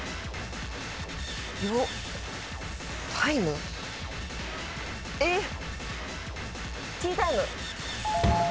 タイム？え⁉ティータイム。